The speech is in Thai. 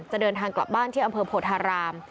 จะเดินทางกลับบ้านที่อำเภอโพธาราม